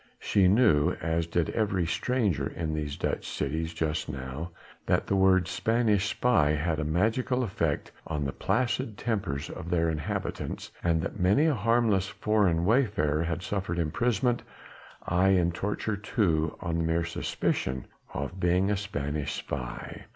She knew as did every stranger in these Dutch cities just now that the words "Spanish spy" had a magical effect on the placid tempers of their inhabitants, and that many a harmless foreign wayfarer had suffered imprisonment, aye and torture too, on the mere suspicion of being a "Spanish spy."